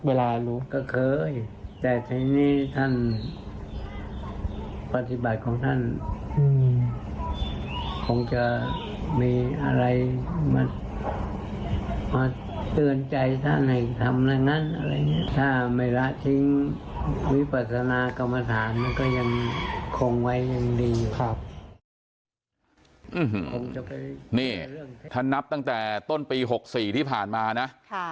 นี่ถ้านับตั้งแต่ต้นปี๖๔ที่ผ่านมานะ